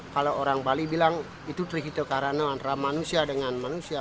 kalau orang bali bilang itu trihito karena antara manusia dengan manusia